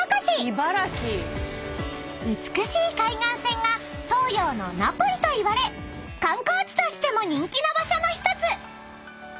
［美しい海岸線が東洋のナポリといわれ観光地としても人気の場所の一つ］